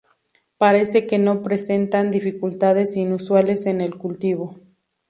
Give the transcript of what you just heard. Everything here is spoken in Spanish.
Parece que no presentan dificultades inusuales en el cultivo.